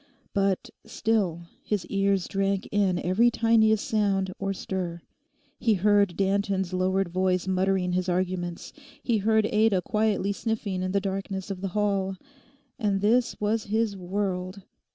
But still his ears drank in every tiniest sound or stir. He heard Danton's lowered voice muttering his arguments. He heard Ada quietly sniffing in the darkness of the hall. And this was his world!